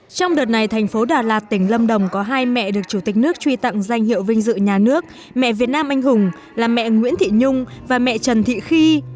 trong đợt này thành phố đà lạt tỉnh lâm đồng có hai mẹ được chủ tịch nước truy tặng danh hiệu vinh dự nhà nước mẹ việt nam anh hùng là mẹ nguyễn thị nhung và mẹ trần thị khi